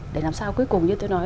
để làm sao cuối cùng như tôi nói